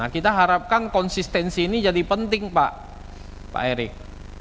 kita harapkan konsistensi ini jadi penting pak erik